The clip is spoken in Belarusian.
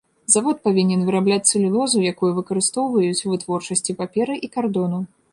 Завод павінен вырабляць цэлюлозу, якую выкарыстоўваюць у вытворчасці паперы і кардону.